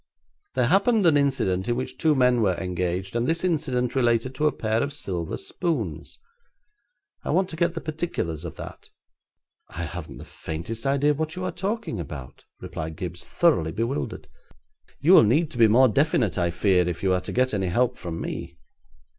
'There happened an incident in which two men were engaged, and this incident related to a pair of silver spoons. I want to get the particulars of that.' 'I haven't the slightest idea what you are talking about,' replied Gibbes, thoroughly bewildered. 'You will need to be more definite, I fear, if you are to get any help from me.'